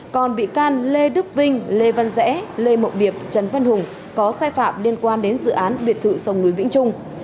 còn bị can lê đức vinh lê văn rẽ lê mộng điệp trần văn hùng có sai phạm liên quan đến dự án biệt thự sông núi vĩnh trung